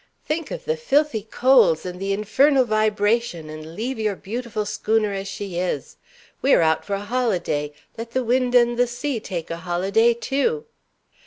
"Think of the filthy coals, and the infernal vibration, and leave your beautiful schooner as she is. We are out for a holiday. Let the wind and the sea take a holiday too."